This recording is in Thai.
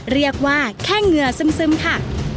เรียกว่าแค่เหงื่อซึมค่ะ